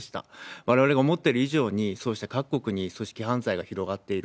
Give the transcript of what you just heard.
われわれが思ってる以上に、そうした各国に組織犯罪が広がっている。